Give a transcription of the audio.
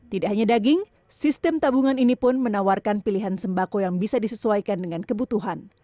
tidak hanya daging sistem tabungan ini pun menawarkan pilihan sembako yang bisa disesuaikan dengan kebutuhan